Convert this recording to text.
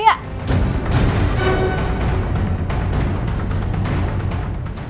jadi orang kaya